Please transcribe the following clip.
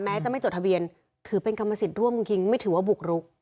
จะไม่จดทะเบียนถือเป็นกรรมสิทธิ์ร่วมคุณคิงไม่ถือว่าบุกรุก